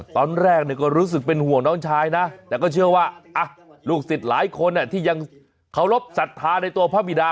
ตอนแรกก็รู้สึกเป็นห่วงน้องชายนะแต่ก็เชื่อว่าลูกศิษย์หลายคนที่ยังเคารพสัทธาในตัวพระบิดา